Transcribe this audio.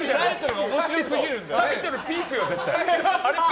タイトル、ピークよ。